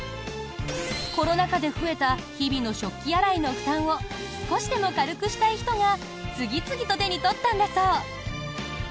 コロナ禍で増えた日々の食器洗いの負担を少しでも軽くしたい人が次々と手に取ったんだそう。